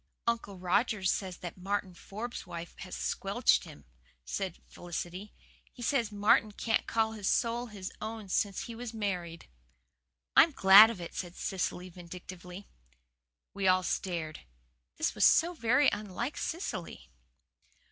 "Uncle Roger says that Martin Forbes' wife has squelched HIM," said Felicity. "He says Martin can't call his soul his own since he was married." "I'm glad of it," said Cecily vindictively. We all stared. This was so very unlike Cecily.